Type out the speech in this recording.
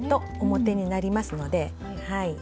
表になりますのではい。